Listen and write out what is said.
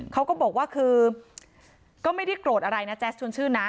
เขาก็บอกว่าคือก็ไม่ได้โกรธอะไรนะแจ๊สชวนชื่นนะ